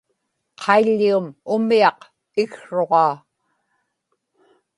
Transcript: qaiḷḷium umiaq iksruġaa